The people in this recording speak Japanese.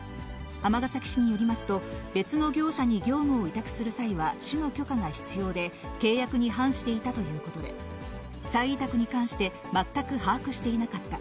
尼崎市によりますと、別の業者に業務を委託する際は、市の許可が必要で、契約に反していたということで、再委託に関して、全く把握していなかった。